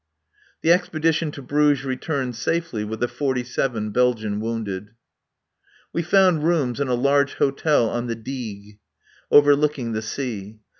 The expedition to Bruges returned safely with the forty seven Belgian wounded. We found rooms in a large hotel on the Digue, overlooking the sea.